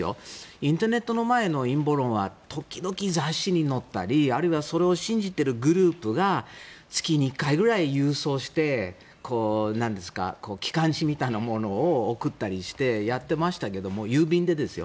インターネットの前の陰謀論は時々、雑誌に載ったりあるいはそれを信じているグループが月に１回ぐらい郵送して機関紙みたいなものを送ったりしてやってましたけど郵便でですよ。